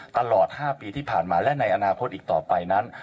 ตลอด๕ปีที่ผ่านมาและในอนาคตอีกต่อไปนั้น